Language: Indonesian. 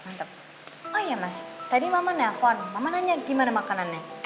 mantap oh iya mas tadi mama nelfon mama nanya gimana makanannya enak enggak